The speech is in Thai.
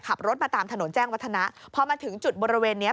ขับรถมาตามถนนแจ้งวัฒนะพอมาถึงจุดบริเวณเนี้ย